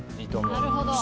なるほど。